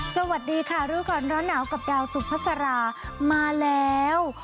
สวัสดีค่ะรู้ก่อนร้อนหนาวกับดาวสุภาษารามาแล้ว